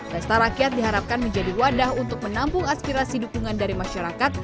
pesta rakyat diharapkan menjadi wadah untuk menampung aspirasi dukungan dari masyarakat